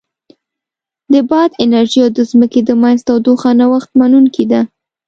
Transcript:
د باد انرژي او د ځمکې د منځ تودوخه نوښت منونکې ده.